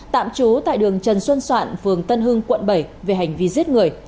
tạm trú tại đường trần xuân soạn phường tân hưng quận bảy